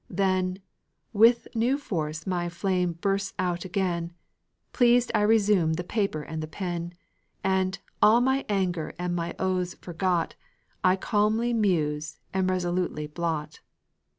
Then with new force my flame bursts out again, Pleased I resume the paper and the pen; And, all my anger and my oaths forgot, I calmly muse and resolutely blot.